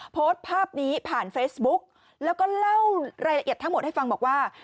โพสต์ภาพนี้ผ่านเฟซบุ๊กแล้วก็เล่ารายละเอียดทั้งหมดให้ฟังบอกว่า